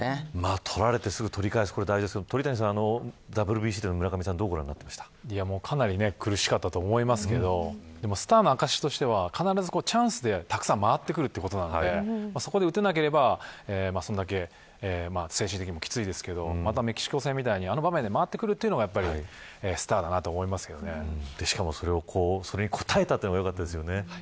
取られて、すぐに取り返すのは大事ですが鳥谷さんはＷＢＣでの村上選手どうご覧になりましたか。苦しかったと思いますけどスターの証しとしてはチャンスでたくさん回ってくるのでそこで打てなければそれだけ精神的にもきついですがまたメキシコ戦みたいにあの場面で回ってくるのがそれに応えたというのがよかったですね。